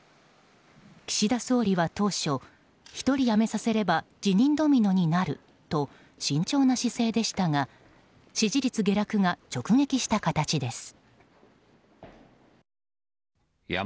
岸田総理は当初１人辞めさせれば辞任ドミノになると慎重な姿勢でしたが支持率下落が直撃した形です。